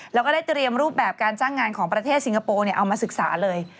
แล้วก็ได้เตรียมรูปแบบการจ้างงานของประเทศสิงคโปร์เอามาศึกษาเลย